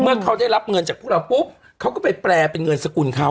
เขาได้รับเงินจากพวกเราปุ๊บเขาก็ไปแปลเป็นเงินสกุลเขา